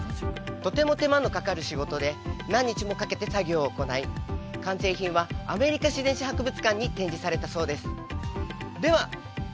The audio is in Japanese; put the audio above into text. とても手間のかかる仕事で何日もかけて作業を行い完成品はアメリカ自然史博物館に展示されたそうです